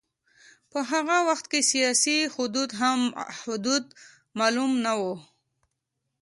په هغه وخت کې سیاسي حدود معلوم نه و.